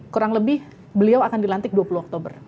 kurang lebih beliau akan dilantik dua puluh oktober